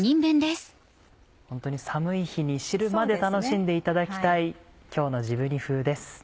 ホントに寒い日に汁まで楽しんでいただきたい今日のじぶ煮風です。